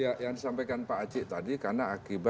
ya yang disampaikan pak acik tadi karena akibat adanya perubahan